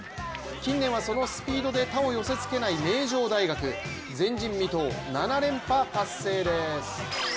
近年はそのスピードで他を寄せつけない名城大学、前人未到、７連覇達成です。